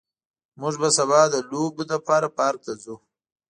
موږ به سبا د لوبو لپاره پارک ته ځو